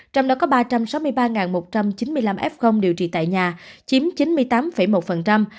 trong đó có ba trăm sáu mươi ba một trăm chín mươi năm f điều trị tại nhà chiếm chín mươi tám một